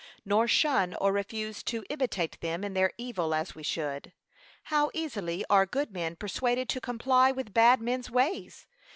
(2.) Nor shun or refuse to imitate them in their evil, as we should. How easily are good men persuaded to comply with bad men's ways.